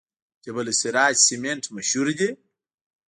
جبل السراج سمنټ مشهور دي؟